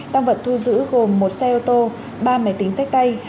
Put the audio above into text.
tăng vật thu giữ gồm một xe ô tô ba máy tính sách tay